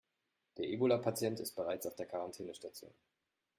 Der Ebola-Patient ist bereits auf der Quarantänestation.